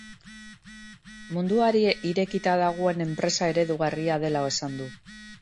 Munduari irekita dagoen enpresa eredugarria dela esan du.